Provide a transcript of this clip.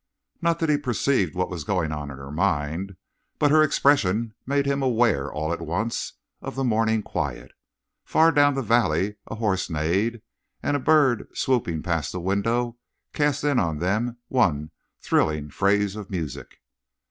Not that he perceived what was going on in her mind, but her expression made him aware, all at once, of the morning quiet. Far down the valley a horse neighed and a bird swooping past the window cast in on them one thrilling phrase of music.